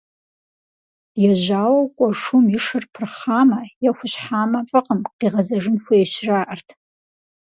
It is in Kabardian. Ежьауэ кӀуэ шум и шыр пырхъамэ е хущхьамэ, фӀыкъым, къигъэзэжын хуейщ, жаӀэрт.